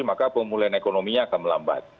maka pemulihan ekonominya akan melambat